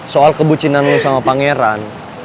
soal kebucinan lo sama pangeran